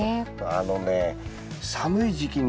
あのね寒い時期に？